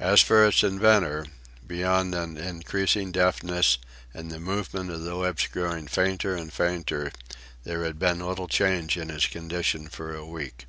As for its inventor, beyond an increasing deafness and the movement of the lips growing fainter and fainter, there had been little change in his condition for a week.